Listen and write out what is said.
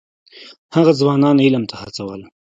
هغه ځوانان علم ته هڅول.